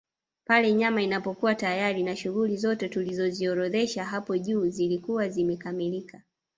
Pale nyama inapokuwa tayari na shughuli zote tulizoziorodhesha hapo juu zikiwa zimekamilika